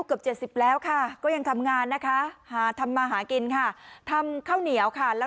เกือบ๗๐แล้วค่ะก็ยังทำงานนะคะหาทำมาหากินค่ะทำข้าวเหนียวค่ะแล้ว